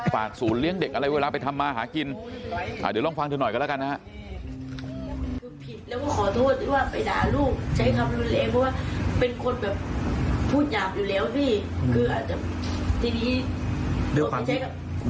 ศูนย์เลี้ยงเด็กอะไรเวลาไปทำมาหากินเดี๋ยวลองฟังเธอหน่อยกันแล้วกันนะฮะ